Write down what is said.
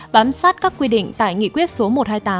bám sát các quy định tại nghị quyết số một trăm hai mươi tám